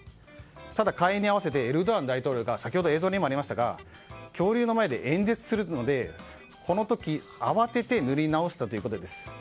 ただ、開園に合わせてエルドアン大統領が先ほど映像にもありましたが恐竜の前で演説をするためこの時、慌てて塗り直したということです。